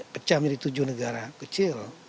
pecah menjadi tujuh negara kecil